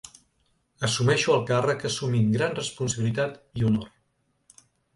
Assumeixo el càrrec assumint gran responsabilitat i honor.